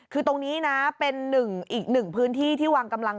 คือตรงนี้นะเป็นหนึ่งอีกหนึ่งพื้นที่ที่วางกำลัง